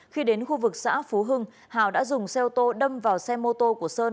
khi đến khu vực xã phú hưng hào đã dùng xe ô tô đâm vào xe mô tô của sơn